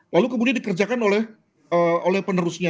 lalu kemudian dikerjakan oleh penerusnya